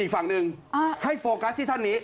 อีกฝั่งหนึ่งให้โฟกัสที่ท่านนี้